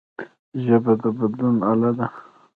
ژبه د بدلون اله ده